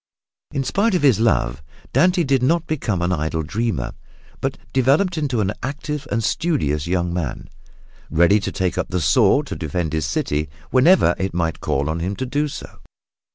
In spite of his love, Dante did not become an idle dreamer, but developed into an active and studious young man, ready to take up the sword to defend his city whenever it might call on him to do so.